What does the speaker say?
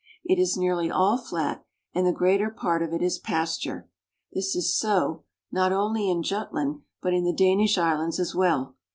It is nearly all flat and the greater part of it is pasture. This is so, not only in Jut land, but in the Danish islands as well.